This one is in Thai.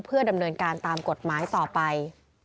เพื่อดำเนินการตามกฎหมายต่อไป